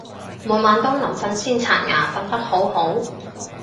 每晚都臨瞓先刷牙，瞓得好好